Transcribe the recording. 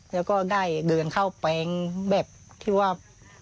แล้วก็ได้เดินเข้าไปแบบที่ว่า